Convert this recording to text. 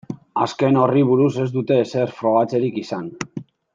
Azken horri buruz ez dute ezer frogatzerik izan.